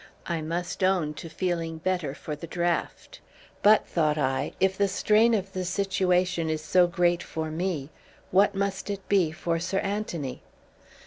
I must own to feeling better for the draught. But, thought I, if the strain of the situation is so great for me, what must it be for Sir Anthony?